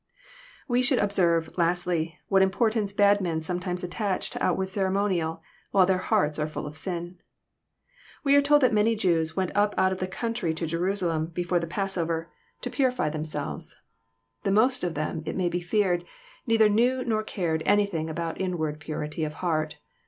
We should observe, lastly, what importance bad men aowjetimes attack to outward ceremonial, while their hearts are full of sin. We are told that many Jews *' went up out of the country to Jerusalem, before the Passover, to 294 EXFOsrroRT thoughts. purify themselves." The most of them, it may be feared, neither knew nor cared anything about inward purity of heart.